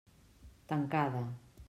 Tancada.